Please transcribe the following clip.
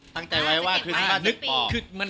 ตั้งใจไว้ว่าคริสต์มาสจะบอก